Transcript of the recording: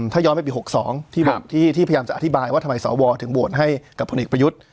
ถ้าย้อนไปปี๖๒ที่พยายามจะอธิบายว่าทำไมสวถึงโหวตให้กับพลเอกประยุทธ์